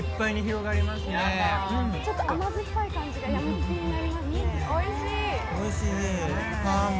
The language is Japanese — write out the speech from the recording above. ちょっと甘酸っぱい感じがやみつきになりますね。